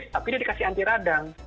tapi dia dikasih anti radang